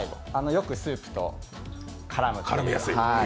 よくスープと絡む。